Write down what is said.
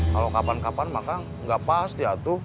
kalau kapan kapan mah kang gak pas ya atu